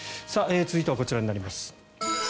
続いてはこちらになります。